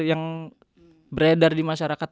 yang beredar di masyarakat